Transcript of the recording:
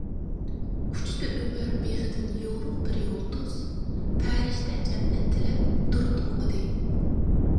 ئۇچتى ئۆمۈر بېغىدىن يورۇق بىر يۇلتۇز، پەرىشتە جەننەت تىلەپ دۇرۇت ئوقۇدى.